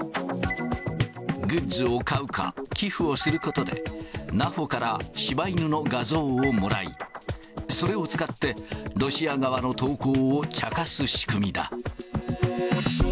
グッズを買うか、寄付をすることで、ナフォから柴犬の画像をもらい、それを使って、ロシア側の投稿をちゃかす仕組みだ。